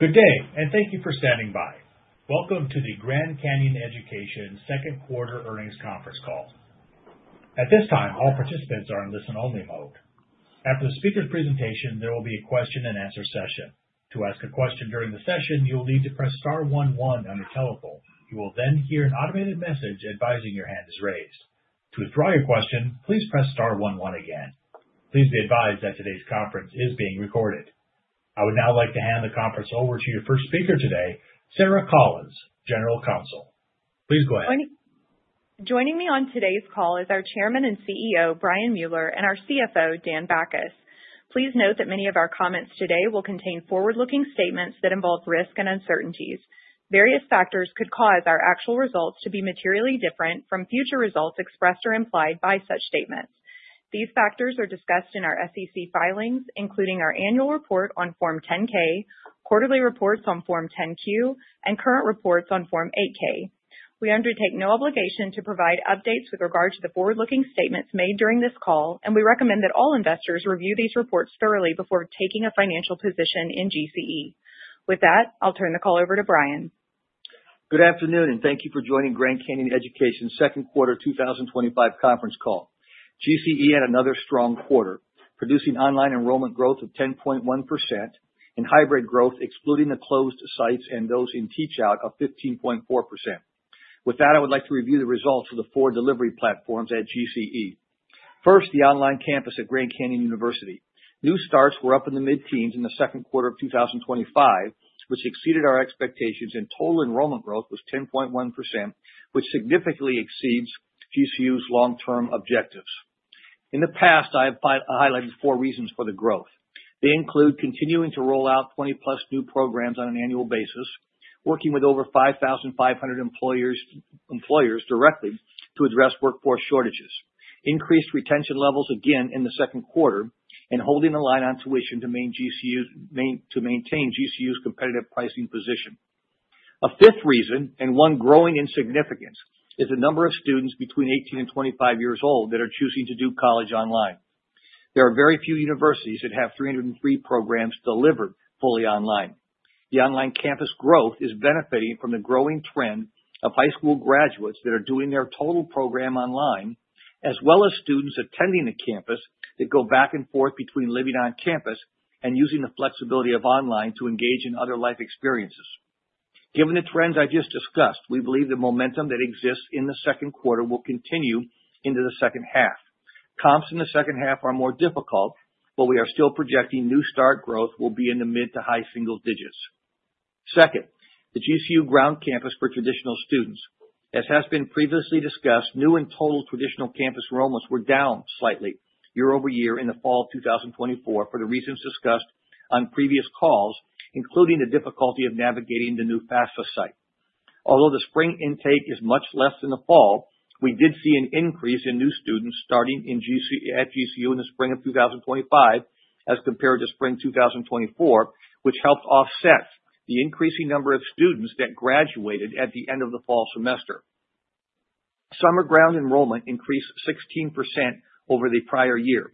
Good day, and thank you for standing by. Welcome to the Grand Canyon Education second quarter earnings conference call. At this time, all participants are in listen-only mode. After the speaker's presentation, there will be a question and answer session. To ask a question during the session, you'll need to press star one one on your telephone. You will then hear an automated message advising your hand is raised. To withdraw your question, please press star one one again. Please be advised that today's conference is being recorded. I would now like to hand the conference over to your first speaker today, Sarah Collins, General Counsel. Please go ahead. Joining me on today's call is our Chairman and CEO, Brian Mueller, and our CFO, Dan Bachus. Please note that many of our comments today will contain forward-looking statements that involve risk and uncertainties. Various factors could cause our actual results to be materially different from future results expressed or implied by such statements. These factors are discussed in our SEC filings, including our annual report on Form 10-K, quarterly reports on Form 10-Q, and current reports on Form 8-K. We undertake no obligation to provide updates with regard to the forward-looking statements made during this call, and we recommend that all investors review these reports thoroughly before taking a financial position in GCE. With that, I'll turn the call over to Brian. Good afternoon, and thank you for joining Grand Canyon Education second quarter 2025 conference call. GCE had another strong quarter, producing online enrollment growth of 10.1% and hybrid growth, excluding the closed sites and those in teach-out, of 15.4%. With that, I would like to review the results for the four delivery platforms at GCE. First, the online campus at Grand Canyon University. New starts were up in the mid-teens in the second quarter of 2025, which exceeded our expectations, and total enrollment growth was 10.1%, which significantly exceeds GCU's long-term objectives. In the past, I have highlighted four reasons for the growth. They include continuing to roll out 20+ new programs on an annual basis, working with over 5,500 employers directly to address workforce shortages, increased retention levels again in the second quarter, and holding the line on tuition to maintain GCU's competitive pricing position. A fifth reason, and one growing in significance, is the number of students between 18 and 25 years old that are choosing to do college online. There are very few universities that have 303 programs delivered fully online. The online campus growth is benefiting from the growing trend of high school graduates that are doing their total program online, as well as students attending the campus that go back and forth between living on campus and using the flexibility of online to engage in other life experiences. Given the trends I just discussed, we believe the momentum that exists in the second quarter will continue into the second half. Comps in the second half are more difficult, but we are still projecting new start growth will be in the mid to high single digits. Second, the GCU ground campus for traditional students. As has been previously discussed, new and total traditional campus enrollments were down slightly year over year in the fall of 2024 for the reasons discussed on previous calls, including the difficulty of navigating the new FAFSA site. Although the spring intake is much less than the fall, we did see an increase in new students starting at GCU in the spring of 2025 as compared to spring 2024, which helped offset the increasing number of students that graduated at the end of the fall semester. Summer ground enrollment increased 16% over the prior year.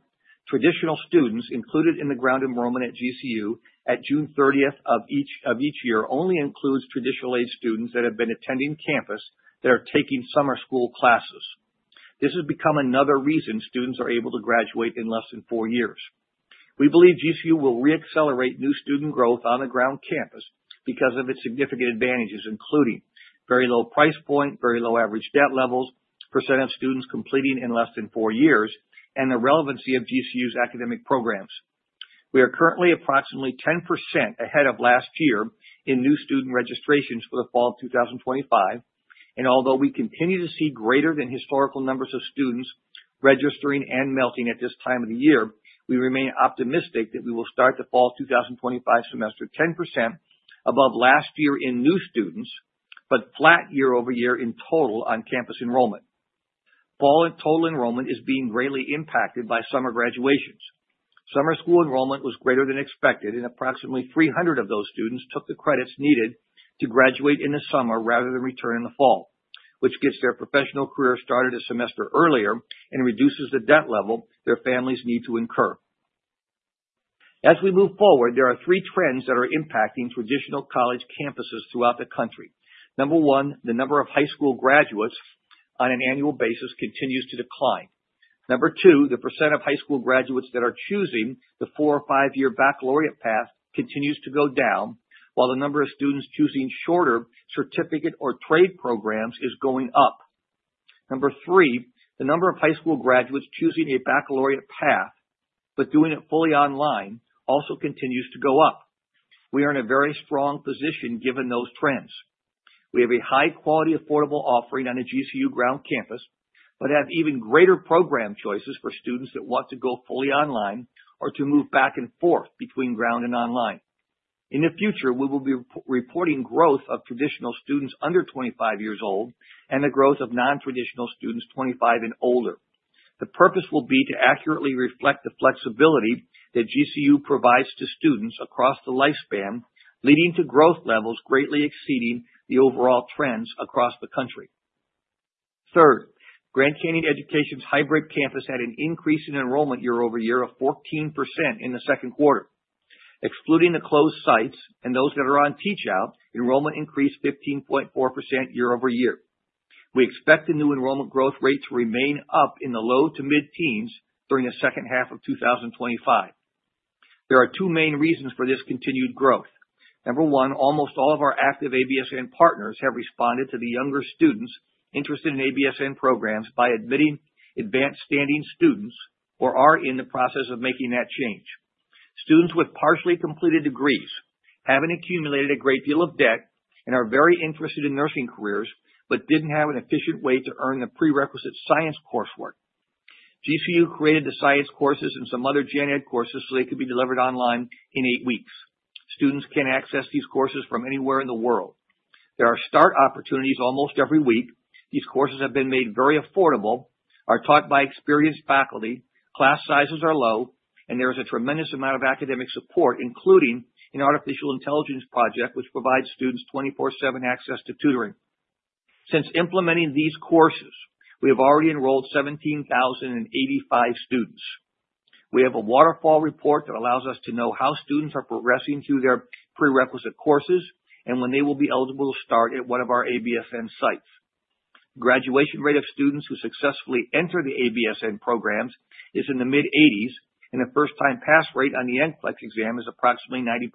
Traditional students included in the ground enrollment at GCU at June 30th of each year only include traditional aid students that have been attending campus that are taking summer school classes. This has become another reason students are able to graduate in less than four years. We believe GCU will re-accelerate new student growth on the ground campus because of its significant advantages, including very low price point, very low average debt levels, percent of students completing in less than four years, and the relevancy of GCU's academic programs. We are currently approximately 10% ahead of last year in new student registrations for the fall of 2025, and although we continue to see greater than historical numbers of students registering and melting at this time of the year, we remain optimistic that we will start the fall 2025 semester 10% above last year in new students, but flat year over year in total on campus enrollment. Fall total enrollment is being greatly impacted by summer graduations. Summer school enrollment was greater than expected, and approximately 300 of those students took the credits needed to graduate in the summer rather than return in the fall, which gets their professional career started a semester earlier and reduces the debt level their families need to incur. As we move forward, there are three trends that are impacting traditional college campuses throughout the country. Number one, the number of high school graduates on an annual basis continues to decline. Number two, the percent of high school graduates that are choosing the four or five-year baccalaureate path continues to go down, while the number of students choosing shorter certificate or trade programs is going up. Number three, the number of high school graduates choosing a baccalaureate path but doing it fully online also continues to go up. We are in a very strong position given those trends. We have a high-quality, affordable offering on the GCU ground campus, but have even greater program choices for students that want to go fully online or to move back and forth between ground and online. In the future, we will be reporting growth of traditional students under 25 years old and the growth of non-traditional students 25 and older. The purpose will be to accurately reflect the flexibility that GCU provides to students across the lifespan, leading to growth levels greatly exceeding the overall trends across the country. Third, Grand Canyon Education's hybrid campus had an increase in enrollment year over year of 14% in the second quarter. Excluding the closed sites and those that are on teach-out, enrollment increased 15.4% year over year. We expect the new enrollment growth rate to remain up in the low to mid-teens during the second half of 2025. There are two main reasons for this continued growth. Number one, almost all of our active ABSN partners have responded to the younger students interested in ABSN programs by admitting advanced standing students or are in the process of making that change. Students with partially completed degrees haven't accumulated a great deal of debt and are very interested in nursing careers but didn't have an efficient way to earn the prerequisite science coursework. GCU created the science courses and some other gen-ed courses so they could be delivered online in eight weeks. Students can access these courses from anywhere in the world. There are start opportunities almost every week. These courses have been made very affordable, are taught by experienced faculty, class sizes are low, and there is a tremendous amount of academic support, including an artificial intelligence project, which provides students 24/7 access to tutoring. Since implementing these courses, we have already enrolled 17,085 students. We have a waterfall report that allows us to know how students are progressing through their prerequisite courses and when they will be eligible to start at one of our ABSN sites. Graduation rate of students who successfully enter the ABSN programs is in the mid-80%, and the first-time pass rate on the NCLEX exam is approximately 90%.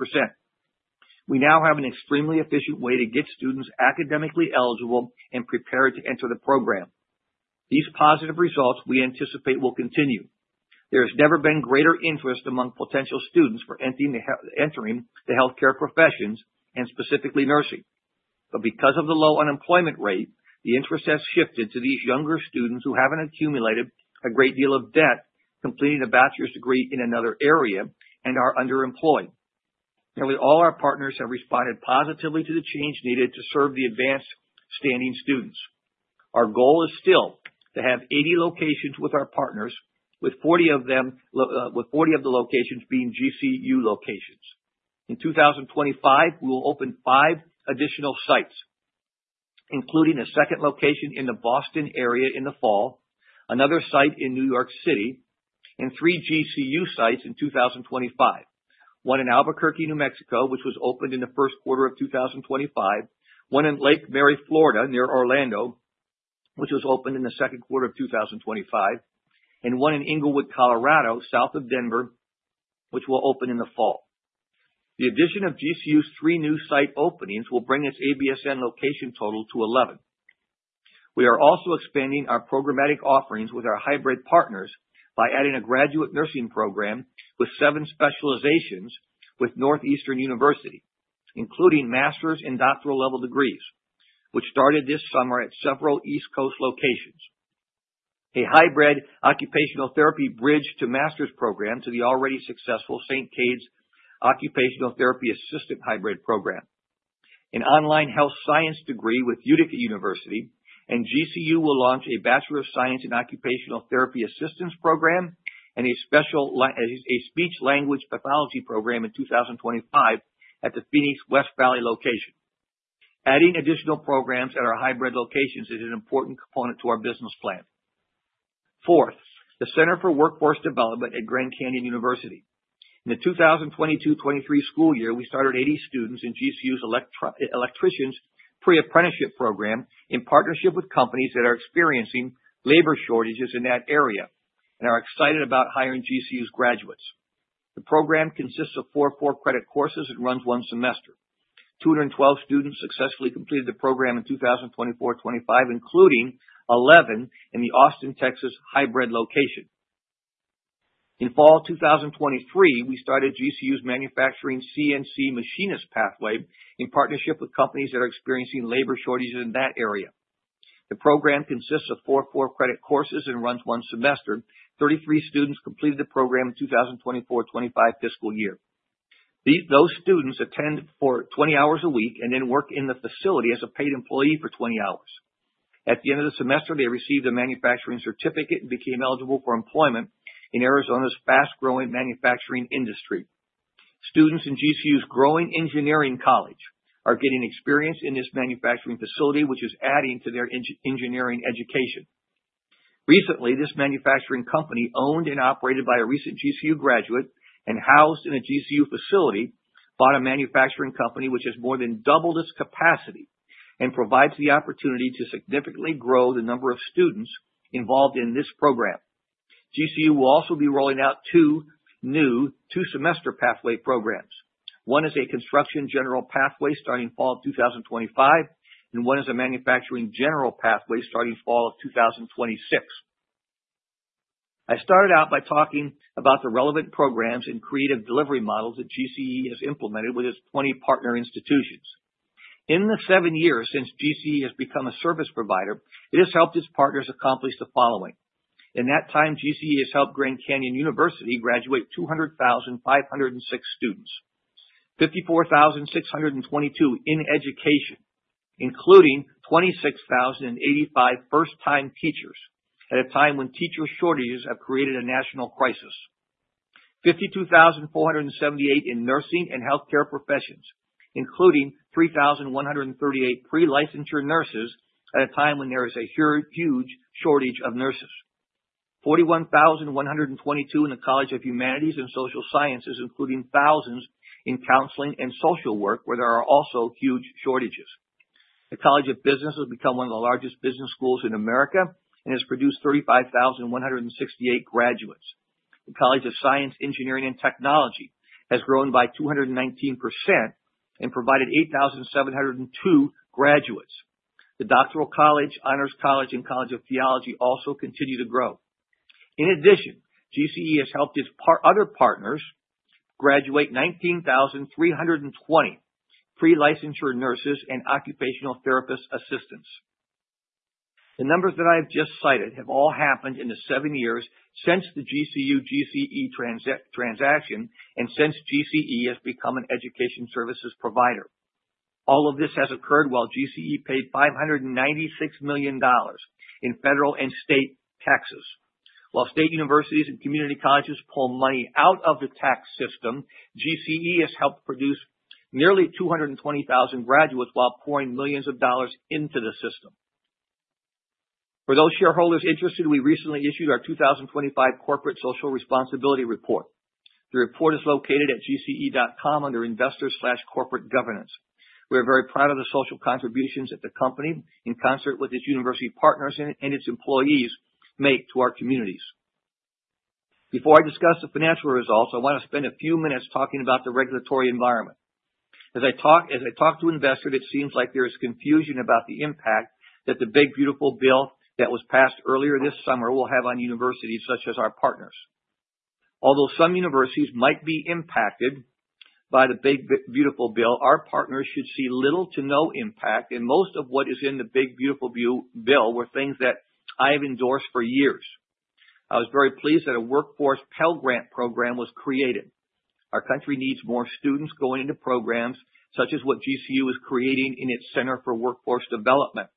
We now have an extremely efficient way to get students academically eligible and prepared to enter the program. These positive results we anticipate will continue. There has never been greater interest among potential students for entering the healthcare professions, and specifically nursing. Because of the low unemployment rate, the interest has shifted to these younger students who haven't accumulated a great deal of debt, completing a bachelor's degree in another area, and are underemployed. Nearly all our partners have responded positively to the change needed to serve the advanced standing students. Our goal is still to have 80 locations with our partners, with 40 of the locations being GCU locations. In 2025, we will open five additional sites, including a second location in the Boston area in the fall, another site in New York City, and three GCU sites in 2025: one in Albuquerque, New Mexico, which was opened in the first quarter of 2025, one in Lake Mary, Florida, near Orlando, which was opened in the second quarter of 2025, and one in Inglewood, Colorado, south of Denver, which will open in the fall. The addition of GCU's three new site openings will bring its ABSN location total to 11. We are also expanding our programmatic offerings with our hybrid partners by adding a graduate nursing program with seven specializations with Northeastern University, including master's and doctoral level degrees, which started this summer at several East Coast locations. A hybrid Occupational Therapy bridge to master's program to the already successful St. Kate's Occupational Therapy Assistant Hybrid Program. An online health science degree with Utica University and GCU will launch a Bachelor of Science in Occupational Therapy Assistant program and a specialized Speech-Language Pathology Program in 2025 at the Phoenix West Valley location. Adding additional programs at our hybrid locations is an important component to our business plan. Fourth, the Center for Workforce Development at Grand Canyon University. In the 2022-2023 school year, we started 80 students in GCU's electricians pre-apprenticeship program in partnership with companies that are experiencing labor shortages in that area and are excited about hiring GCU's graduates. The program consists of four core credit courses that run one semester. 212 students successfully completed the program in 2024-2025, including 11 in the Austin, Texas hybrid location. In fall 2023, we started GCU's manufacturing CNC machinist pathway in partnership with companies that are experiencing labor shortages in that area. The program consists of four core credit courses and runs one semester. 33 students completed the program in the 2024-2025 fiscal year. Those students attend for 20 hours a week and then work in the facility as a paid employee for 20 hours. At the end of the semester, they received a manufacturing certificate and became eligible for employment in Arizona's fast-growing manufacturing industry. Students in GCU's growing engineering college are getting experience in this manufacturing facility, which is adding to their engineering education. Recently, this manufacturing company owned and operated by a recent GCU graduate and housed in a GCU facility bought a manufacturing company which has more than doubled its capacity and provides the opportunity to significantly grow the number of students involved in this program. GCU will also be rolling out two new two-semester pathway programs. One is a construction general pathway starting fall of 2025, and one is a manufacturing general pathway starting fall of 2026. I started out by talking about the relevant programs and creative delivery models that GCE has implemented with its 20 partner institutions. In the seven years since GCE has become a service provider, it has helped its partners accomplish the following. In that time, GCE has helped Grand Canyon University graduate 200,506 students, 54,622 in education, including 26,085 first-time teachers at a time when teacher shortages have created a national crisis, 52,478 in nursing and healthcare professions, including 3,138 pre-licensure nurses at a time when there is a huge shortage of nurses, 41,122 in the College of Humanities and Social Sciences, including thousands in counseling and social work, where there are also huge shortages. The College of Business has become one of the largest business schools in America and has produced 35,168 graduates. The College of Science, Engineering, and Technology has grown by 219% and provided 8,702 graduates. The Doctoral College, Honors College, and College of Theology also continue to grow. In addition, GCE has helped its other partners graduate 19,320 pre-licensure nurses and occupational therapist assistants. The numbers that I've just cited have all happened in the seven years since the GCU-GCE transaction and since GCE has become an education services provider. All of this has occurred while GCE paid $596 million in federal and state taxes. While state universities and community colleges pull money out of the tax system, GCE has helped produce nearly 220,000 graduates while pouring millions of dollars into the system. For those shareholders interested, we recently issued our 2025 Corporate Social Responsibility Report. The report is located at GCE.com under Investors/Corporate Governance. We are very proud of the social contributions that the company, in concert with its university partners and its employees, make to our communities. Before I discuss the financial results, I want to spend a few minutes talking about the regulatory environment. As I talk to investors, it seems like there is confusion about the impact that the Big Beautiful Bill that was passed earlier this summer will have on universities such as our partners. Although some universities might be impacted by the Big Beautiful Bill, our partners should see little to no impact, and most of what is in the Big Beautiful Bill were things that I have endorsed for years. I was very pleased that a Workforce Pell Grant program was created. Our country needs more students going into programs such as what GCU is creating in its Center for Workforce Development,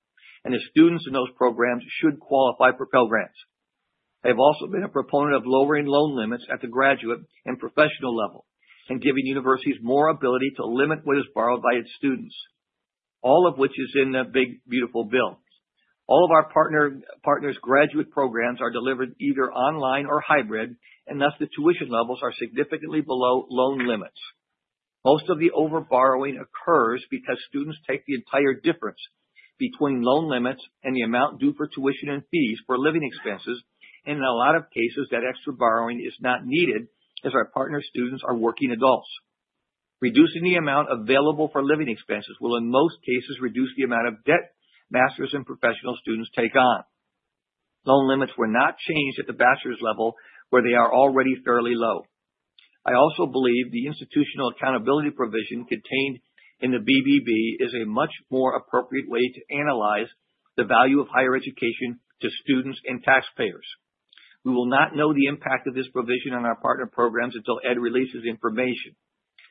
and the students in those programs should qualify for Pell Grants. I have also been a proponent of lowering loan limits at the graduate and professional level and giving universities more ability to limit what is borrowed by its students, all of which is in the Big Beautiful Bill. All of our partners' graduate programs are delivered either online or hybrid, and thus the tuition levels are significantly below loan limits. Most of the overborrowing occurs because students take the entire difference between loan limits and the amount due for tuition and fees for living expenses, and in a lot of cases, that extra borrowing is not needed as our partner students are working adults. Reducing the amount available for living expenses will, in most cases, reduce the amount of debt master's and professional students take on. Loan limits were not changed at the bachelor's level, where they are already fairly low. I also believe the institutional accountability provision contained in the BBB is a much more appropriate way to analyze the value of higher education to students and taxpayers. We will not know the impact of this provision on our partner programs until ED releases information,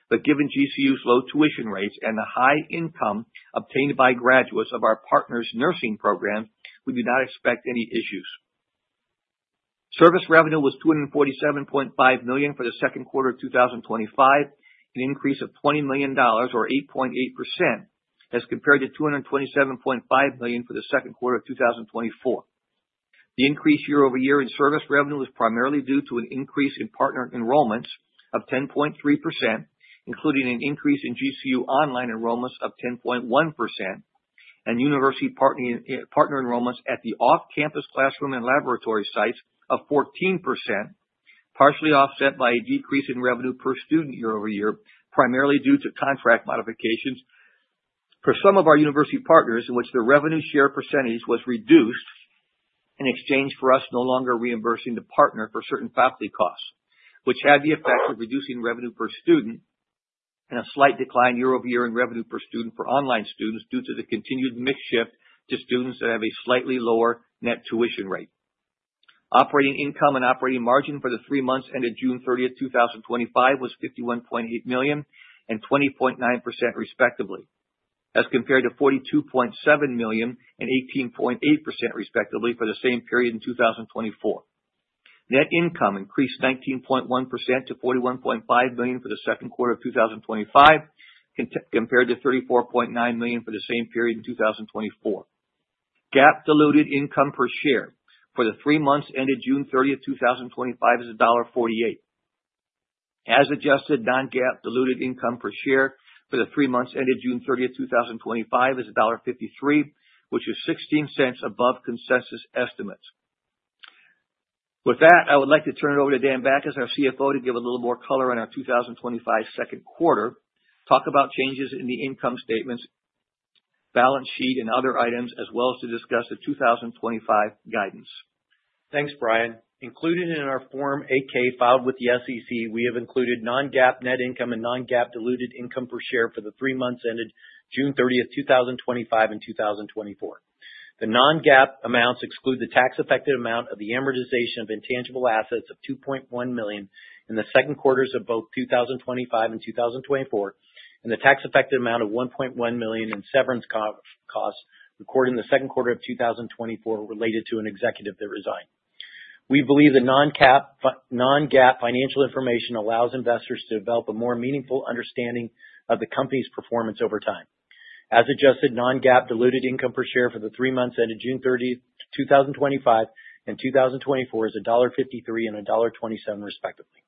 but given GCU's low tuition rates and the high income obtained by graduates of our partners' nursing program, we do not expect any issues. Service revenue was $247.5 million for the second quarter of 2025, an increase of $20 million, or 8.8%, as compared to $227.5 million for the second quarter of 2024. The increase year over year in service revenue was primarily due to an increase in partner enrollments of 10.3%, including an increase in GCU online enrollments of 10.1%, and university partner enrollments at the off-campus classroom and laboratory sites of 14%, partially offset by a decrease in revenue per student year over year, primarily due to contract modifications for some of our university partners in which the revenue share percentage was reduced in exchange for us no longer reimbursing the partner for certain faculty costs, which had the effects of reducing revenue per student and a slight decline year over year in revenue per student for online students due to the continued mix shift to students that have a slightly lower net tuition rate. Operating income and operating margin for the three months ended June 30, 2025, was $51.8 million and 20.9% respectively, as compared to $42.7 million and 18.8% respectively for the same period in 2024. Net income increased 19.1% to $41.5 million for the second quarter of 2025, compared to $34.9 million for the same period in 2024. GAAP-diluted income per share for the three months ended June 30, 2025, is $1.48. As adjusted, non-GAAP-diluted income per share for the three months ended June 30, 2025, is $1.53, which is $0.16 above consensus estimates. With that, I would like to turn it over to Dan Bachus, our CFO, to give a little more color on our 2025 second quarter, talk about changes in the income statements, balance sheet, and other items, as well as to discuss the 2025 guidance. Thanks, Brian. Included in our Form 8-K filed with the SEC, we have included non-GAAP net income and non-GAAP-diluted income per share for the three months ended June 30, 2025, and 2024. The non-GAAP amounts exclude the tax-effective amount of the amortization of intangible assets of $2.1 million in the second quarters of both 2025 and 2024, and the tax-effective amount of $1.1 million in severance costs recorded in the second quarter of 2024 related to an executive that resigned. We believe the non-GAAP financial information allows investors to develop a more meaningful understanding of the company's performance over time. As adjusted, non-GAAP-diluted income per share for the three months ended June 30, 2025, and 2024 is $1.53 and $1.27 respectively.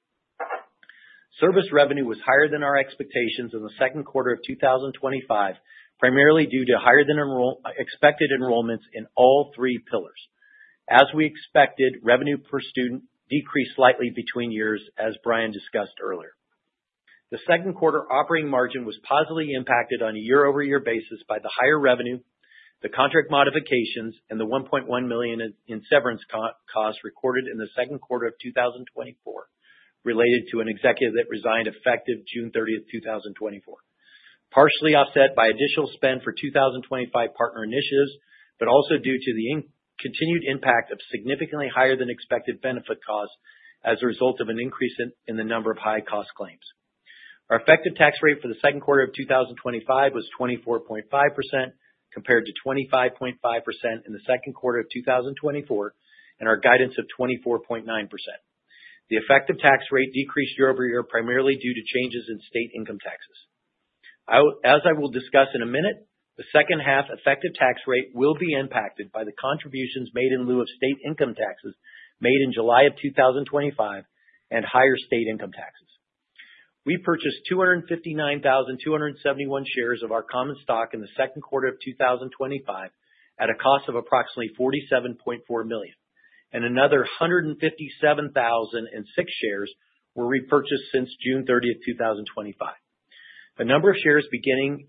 Service revenue was higher than our expectations in the second quarter of 2025, primarily due to higher than expected enrollments in all three pillars. As we expected, revenue per student decreased slightly between years, as Brian discussed earlier. The second quarter operating margin was positively impacted on a year-over-year basis by the higher revenue, the contract modifications, and the $1.1 million in severance costs recorded in the second quarter of 2024 related to an executive that resigned effective June 30, 2024, partially offset by initial spend for 2025 partner initiatives, but also due to the continued impact of significantly higher than expected benefit costs as a result of an increase in the number of high-cost claims. Our effective tax rate for the second quarter of 2025 was 24.5% compared to 25.5% in the second quarter of 2024, and our guidance of 24.9%. The effective tax rate decreased year over year primarily due to changes in state income taxes. As I will discuss in a minute, the second half effective tax rate will be impacted by the contributions made in lieu of state income taxes made in July of 2025 and higher state income taxes. We purchased 259,271 shares of our common stock in the second quarter of 2025 at a cost of approximately $47.4 million, and another 157,006 shares were repurchased since June 30, 2025. A number of shares beginning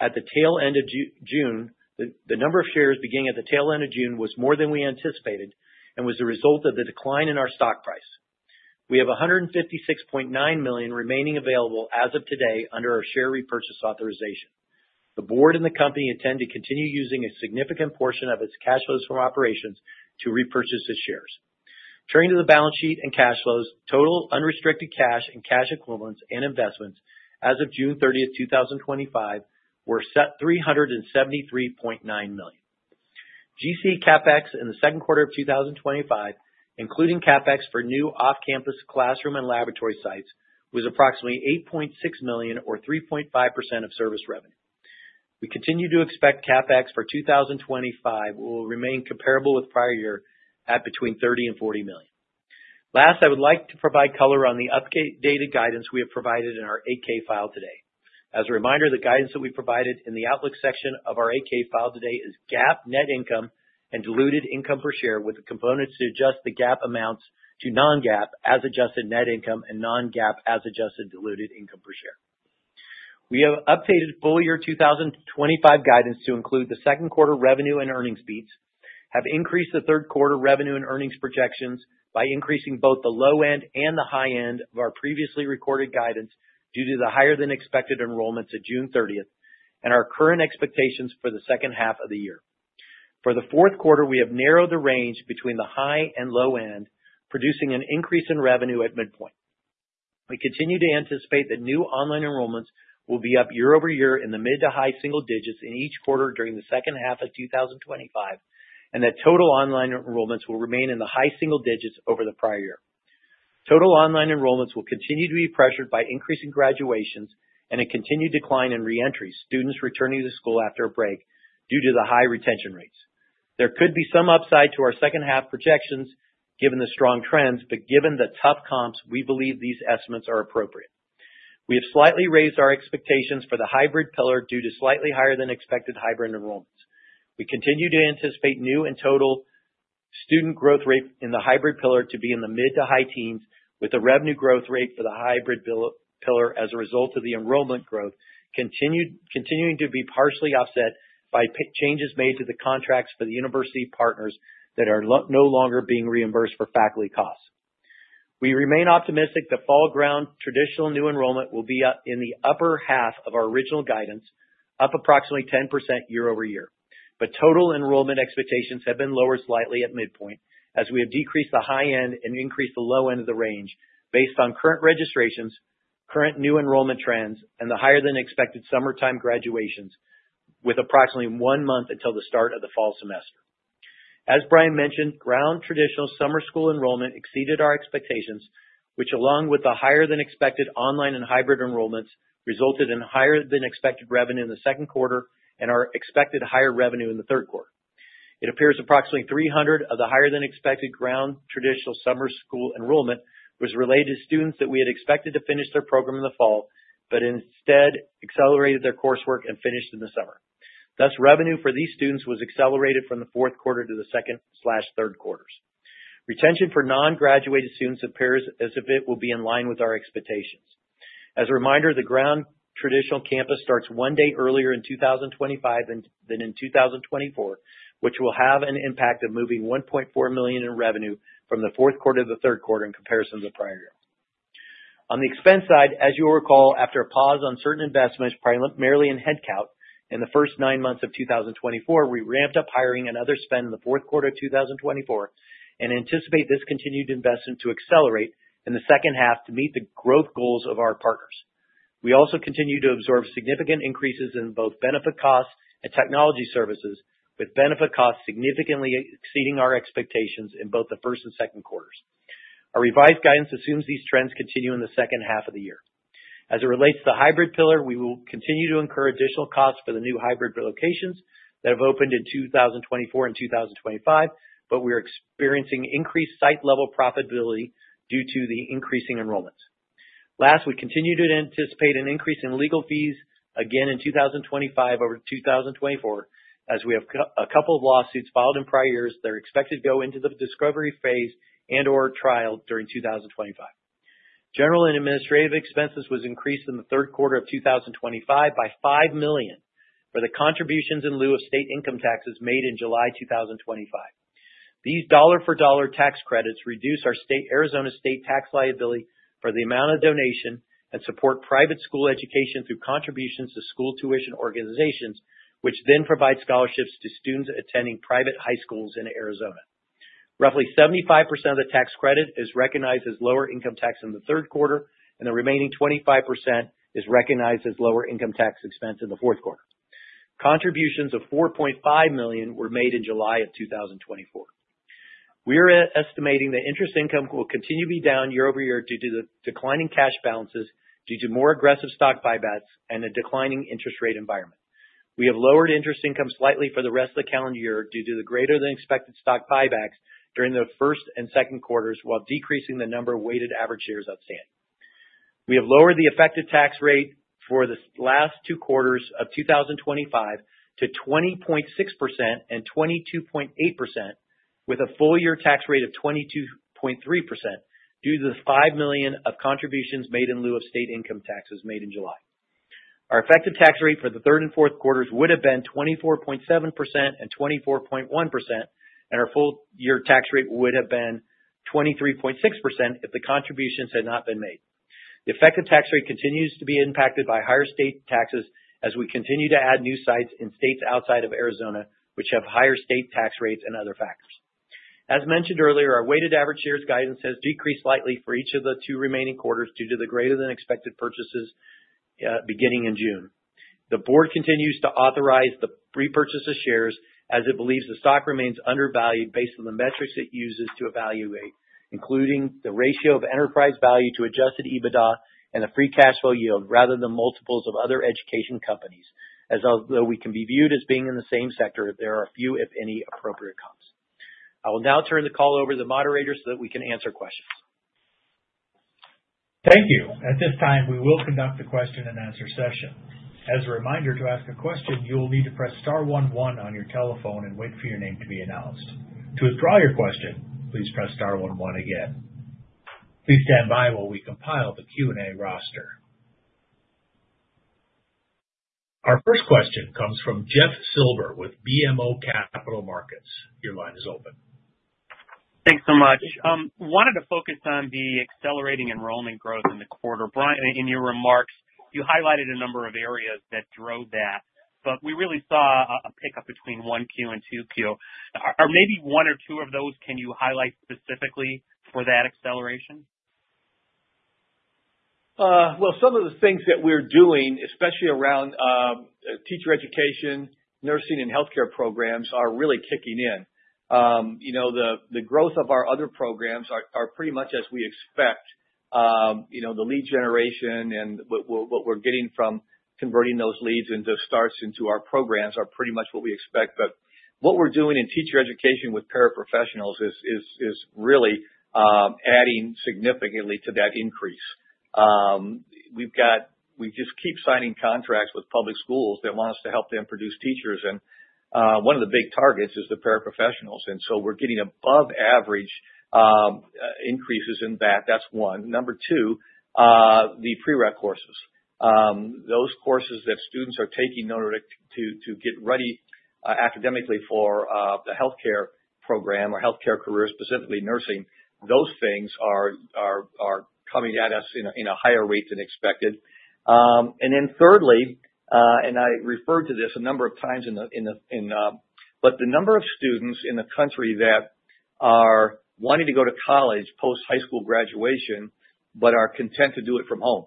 at the tail end of June, the number of shares beginning at the tail end of June was more than we anticipated and was a result of the decline in our stock price. We have $156.9 million remaining available as of today under our share repurchase authorization. The board and the company intend to continue using a significant portion of its cash flows from operations to repurchase its shares. Turning to the balance sheet and cash flows, total unrestricted cash and cash equivalents and investments as of June 30, 2025 were $373.9 million. GCE CapEx in the second quarter of 2025, including CapEx for new off-campus classroom and laboratory sites, was approximately $8.6 million, or 3.5% of service revenue. We continue to expect CapEx for 2025 will remain comparable with prior year at between $30 million and $40 million. Last, I would like to provide color on the updated guidance we have provided in our A-K file today. As a reminder, the guidance that we provided in the Outlook section of our A-K file today is GAAP net income and diluted income per share with the components to adjust the GAAP amounts to non-GAAP as adjusted net income and non-GAAP as adjusted diluted income per share. We have updated full-year 2025 guidance to include the second quarter revenue and earnings beats, have increased the third quarter revenue and earnings projections by increasing both the low end and the high end of our previously recorded guidance due to the higher than expected enrollments of June 30 and our current expectations for the second half of the year. For the fourth quarter, we have narrowed the range between the high and low end, producing an increase in revenue at midpoint. We continue to anticipate that new online enrollments will be up year over year in the mid to high single digits in each quarter during the second half of 2025, and that total online enrollments will remain in the high single digits over the prior year. Total online enrollments will continue to be pressured by increasing graduations and a continued decline in reentry students returning to school after a break due to the high retention rates. There could be some upside to our second half projections given the strong trends, but given the tough comps, we believe these estimates are appropriate. We have slightly raised our expectations for the hybrid pillar due to slightly higher than expected hybrid enrollments. We continue to anticipate new and total student growth rate in the hybrid pillar to be in the mid to high teens, with the revenue growth rate for the hybrid pillar as a result of the enrollment growth continuing to be partially offset by changes made to the contracts for the university partners that are no longer being reimbursed for faculty costs. We remain optimistic that fall ground traditional new enrollment will be in the upper half of our original guidance, up approximately 10% year over year, but total enrollment expectations have been lowered slightly at midpoint as we have decreased the high end and increased the low end of the range based on current registrations, current new enrollment trends, and the higher than expected summertime graduations with approximately one month until the start of the fall semester. As Brian mentioned, ground traditional summer school enrollment exceeded our expectations, which along with the higher than expected online and hybrid enrollments resulted in higher than expected revenue in the second quarter and our expected higher revenue in the third quarter. It appears approximately 300 of the higher than expected ground traditional summer school enrollment was related to students that we had expected to finish their program in the fall, but instead accelerated their coursework and finished in the summer. Thus, revenue for these students was accelerated from the fourth quarter to the second/third quarters. Retention for non-graduated students that pairs as a bit will be in line with our expectations. As a reminder, the ground traditional campus starts one day earlier in 2025 than in 2024, which will have an impact of moving $1.4 million in revenue from the fourth quarter to the third quarter in comparison to the prior year. On the expense side, as you'll recall, after a pause on certain investments, primarily in headcount in the first nine months of 2024, we ramped up hiring and other spend in the fourth quarter of 2024 and anticipate this continued investment to accelerate in the second half to meet the growth goals of our partners. We also continue to absorb significant increases in both benefit costs and technology services, with benefit costs significantly exceeding our expectations in both the first and second quarters. Our revised guidance assumes these trends continue in the second half of the year. As it relates to the hybrid pillar, we will continue to incur additional costs for the new hybrid locations that have opened in 2024 and 2025, but we are experiencing increased site-level profitability due to the increasing enrollments. Last, we continue to anticipate an increase in legal fees again in 2025 over 2024, as we have a couple of lawsuits filed in prior years that are expected to go into the discovery phase and/or trial during 2025. General and administrative expenses were increased in the third quarter of 2025 by $5 million for the contributions in lieu of state income taxes made in July 2025. These dollar-for-dollar tax credits reduce our Arizona state tax liability for the amount of donation and support private school education through contributions to school tuition organizations, which then provide scholarships to students attending private high schools in Arizona. Roughly 75% of the tax credit is recognized as lower income tax in the third quarter, and the remaining 25% is recognized as lower income tax expense in the fourth quarter. Contributions of $4.5 million were made in July of 2024. We are estimating that interest income will continue to be down year over year due to the declining cash balances due to more aggressive stock buybacks and a declining interest rate environment. We have lowered interest income slightly for the rest of the calendar year due to the greater than expected stock buybacks during the first and second quarters, while decreasing the number of weighted average shares outstanding. We have lowered the effective tax rate for the last two quarters of 2025 to 20.6% and 22.8%, with a full-year tax rate of 22.3% due to the $5 million of contributions made in lieu of state income taxes made in July. Our effective tax rate for the third and fourth quarters would have been 24.7% and 24.1%, and our full-year tax rate would have been 23.6% if the contributions had not been made. The effective tax rate continues to be impacted by higher state taxes as we continue to add new sites in states outside of Arizona, which have higher state tax rates and other factors. As mentioned earlier, our weighted average shares guidance has decreased slightly for each of the two remaining quarters due to the greater than expected purchases beginning in June. The board continues to authorize the repurchase of shares as it believes the stock remains undervalued based on the metrics it uses to evaluate, including the ratio of enterprise value to adjusted EBITDA and the free cash flow yield rather than multiples of other education companies, as though we can be viewed as being in the same sector if there are a few, if any, appropriate comps. I will now turn the call over to the moderator so that we can answer questions. Thank you. At this time, we will conduct the question and answer session. As a reminder, to ask a question, you will need to press star one one on your telephone and wait for your name to be announced. To withdraw your question, please press star one one again. Please stand by while we compile the Q&A roster. Our first question comes from Jeff Silber with BMO Capital Markets. Your line is open. Thanks so much. I wanted to focus on the accelerating enrollment growth in the quarter. Brian, in your remarks, you highlighted a number of areas that drove that, but we really saw a pickup between 1Q and 2Q. Are maybe one or two of those, can you highlight specifically for that acceleration? Some of the things that we're doing, especially around teacher education, nursing, and healthcare programs, are really kicking in. The growth of our other programs is pretty much as we expect. The lead generation and what we're getting from converting those leads into starts into our programs are pretty much what we expect. What we're doing in teacher education with paraprofessionals is really adding significantly to that increase. We just keep signing contracts with public schools that want us to help them produce teachers, and one of the big targets is the paraprofessionals. We're getting above average increases in that. That's one. Number two, the prereq courses. Those courses that students are taking in order to get ready academically for the healthcare program or healthcare careers, specifically nursing, those things are coming at us at a higher rate than expected. Thirdly, and I referred to this a number of times, the number of students in the country that are wanting to go to college post-high school graduation but are content to do it from home,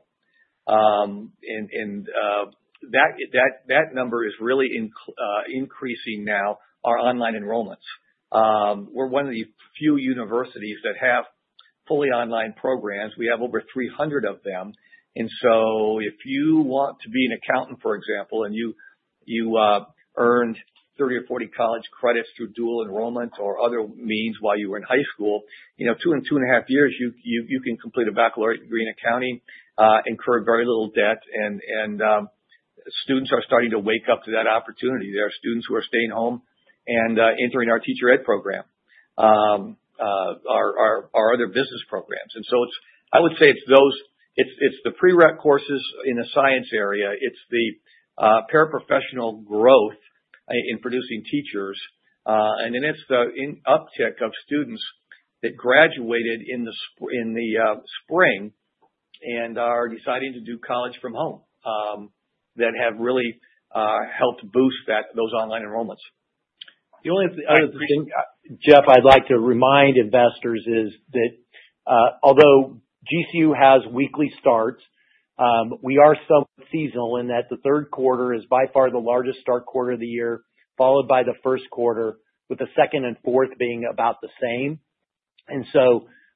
that number is really increasing now, our online enrollments. We're one of the few universities that have fully online programs. We have over 300 of them. If you want to be an accountant, for example, and you earned 30 or 40 college credits through dual enrollment or other means while you were in high school, in two and two and a half years, you can complete a baccalaureate degree in accounting, incur very little debt, and students are starting to wake up to that opportunity. There are students who are staying home and entering our teacher education program, our other business programs. I would say it's those, it's the prereq courses in the science area, it's the paraprofessional growth in producing teachers, and then it's the uptick of students that graduated in the spring and are deciding to do college from home that have really helped boost those online enrollments. The only other thing, Jeff, I'd like to remind investors is that although GCU has weekly starts, we are somewhat seasonal in that the third quarter is by far the largest start quarter of the year, followed by the first quarter, with the second and fourth being about the same.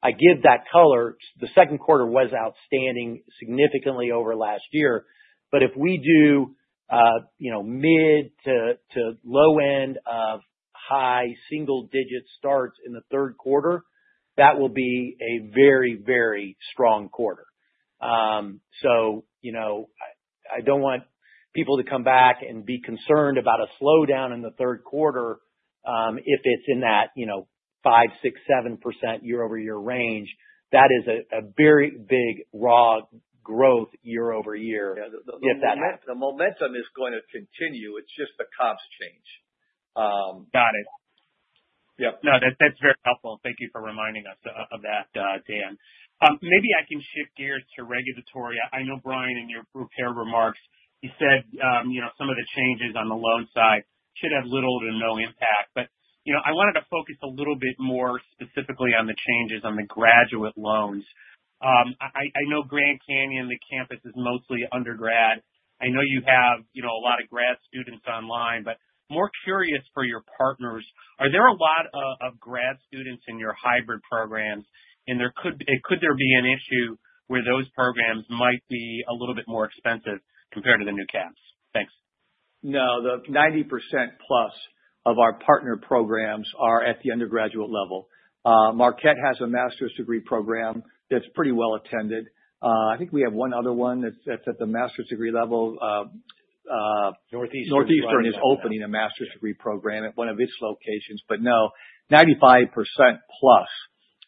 I give that color. The second quarter was outstanding, significantly over last year, but if we do mid to low end of high single-digit starts in the third quarter, that will be a very, very strong quarter. I don't want people to come back and be concerned about a slowdown in the third quarter if it's in that 5%, 6%, 7% year-over-year range. That is a very big raw growth year-over-year. The momentum is going to continue. It's just the comps change. Got it. Yep. No, that's very helpful. Thank you for reminding us of that, Dan. Maybe I can shift gears to regulatory. I know Brian, in your prepared remarks, you said some of the changes on the loan side should have little to no impact. I wanted to focus a little bit more specifically on the changes on the graduate loans. I know Grand Canyon, the campus is mostly undergrad. I know you have a lot of grad students online, but more curious for your partners. Are there a lot of grad students in your hybrid programs? Could there be an issue where those programs might be a little bit more expensive compared to the new caps? Thanks. No, the 90%+ of our partner programs are at the undergraduate level. Marquette has a master's degree program that's pretty well attended. I think we have one other one that's at the master's degree level. Northeastern. Northeastern is opening a master's degree program at one of its locations. No, 95%+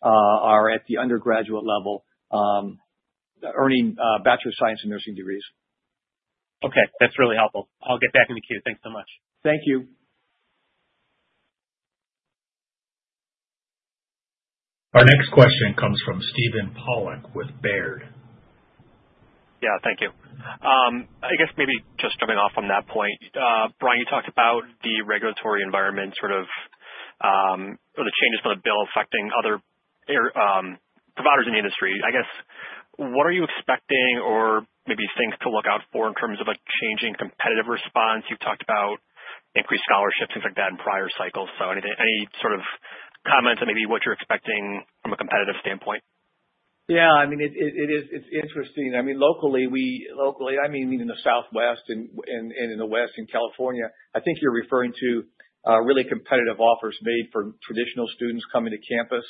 are at the undergraduate level earning Bachelor of Science in Nursing degrees. Okay, that's really helpful. I'll get that indicated. Thanks so much. Thank you. Our next question comes from Steven Pawlak with Baird. Yeah, thank you. I guess maybe just jumping off from that point, Brian, you talked about the regulatory environment or the changes to the bill affecting other providers in the industry. I guess, what are you expecting or maybe things to look out for in terms of a changing competitive response? You've talked about increased scholarships, things like that in prior cycles. Any sort of comments on maybe what you're expecting from a competitive standpoint? Yeah, I mean, it is, it's interesting. Locally, I mean, even the Southwest and in the West in California, I think you're referring to really competitive offers made for traditional students coming to campus.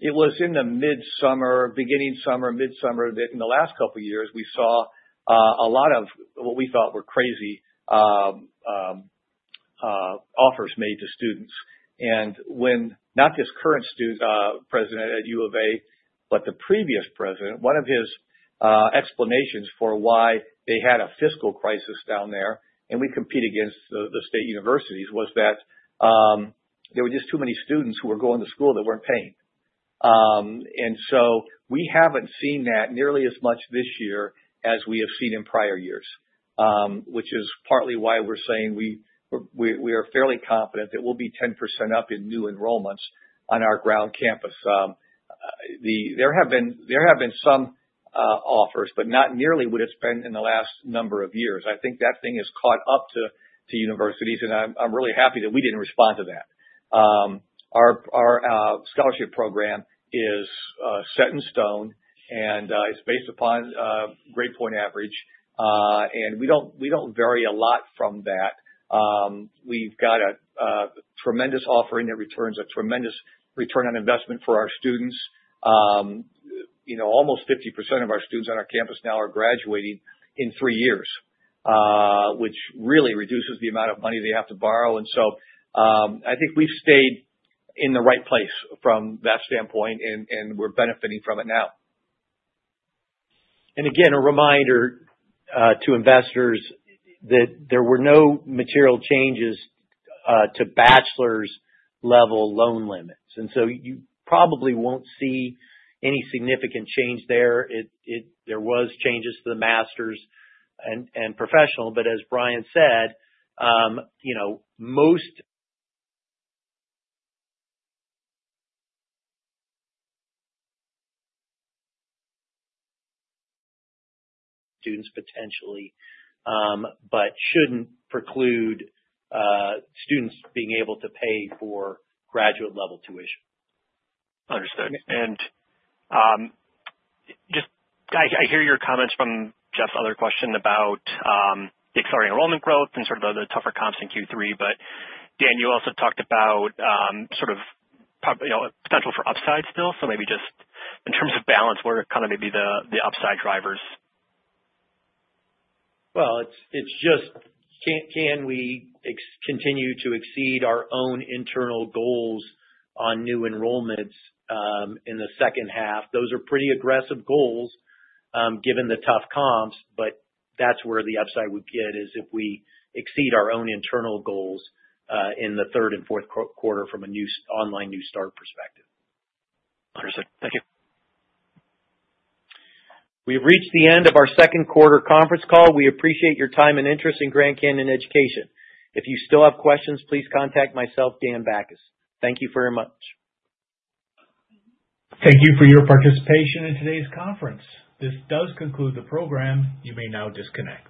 It was in the mid-summer, beginning summer, mid-summer that in the last couple of years we saw a lot of what we thought were crazy offers made to students. When not just current student president at U of A, but the previous president, one of his explanations for why they had a fiscal crisis down there and we compete against the state universities was that there were just too many students who were going to school that weren't paying. We haven't seen that nearly as much this year as we have seen in prior years, which is partly why we're saying we are fairly confident that we'll be 10% up in new enrollments on our ground campus. There have been some offers, but not nearly what it's been in the last number of years. I think that thing has caught up to universities, and I'm really happy that we didn't respond to that. Our scholarship program is set in stone, and it's based upon grade point average, and we don't vary a lot from that. We've got a tremendous offering that returns a tremendous return on investment for our students. You know, almost 50% of our students on our campus now are graduating in three years, which really reduces the amount of money they have to borrow. I think we've stayed in the right place from that standpoint, and we're benefiting from it now. Again, a reminder to investors that there were no material changes to bachelor's level loan limits. You probably won't see any significant change there. There were changes to the master's and professional, but as Brian said, most students potentially, but shouldn't preclude students being able to pay for graduate-level tuition. Understood. I hear your comments from Jeff's other question about the accelerated enrollment growth and the tougher comps in Q3. Dan, you also talked about the potential for upside still. Maybe just in terms of balance, what are the upside drivers? Can we continue to exceed our own internal goals on new enrollments in the second half? Those are pretty aggressive goals given the tough comps, but that's where the upside would get is if we exceed our own internal goals in the third and fourth quarter from a new online new start perspective. Understood. Thank you. We've reached the end of our second quarter conference call. We appreciate your time and interest in Grand Canyon Education. If you still have questions, please contact me, Dan Bachus. Thank you very much. Thank you for your participation in today's conference. This does conclude the program. You may now disconnect.